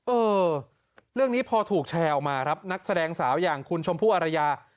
เออเรื่องนี้พอถูกแชร์ออกมาครับนักแสดงสาวอย่างคุณชมพู่อารยา